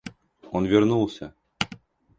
Он вернулся.